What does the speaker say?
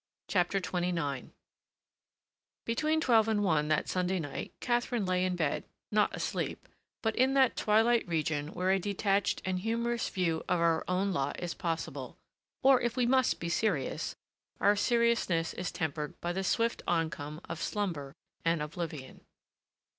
CHAPTER XXIX Between twelve and one that Sunday night Katharine lay in bed, not asleep, but in that twilight region where a detached and humorous view of our own lot is possible; or if we must be serious, our seriousness is tempered by the swift oncome of slumber and oblivion.